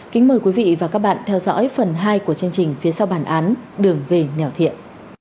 kính mời quý vị và các bạn theo dõi phần hai của chương trình phía sau bản án đường về nẻo thiện